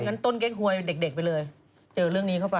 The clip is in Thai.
ต้นเก้งหวยเด็กไปเลยเจอเรื่องนี้เข้าไป